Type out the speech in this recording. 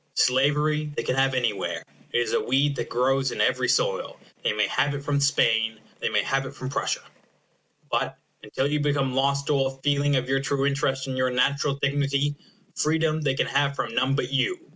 Slavery they can have anywhere it is a weed that grows in every soil. They may have it from Spain; they may have it from Prussia. But, until you become lost to all feeling of your true interest and your natural dignity, freedom they can have from none but you.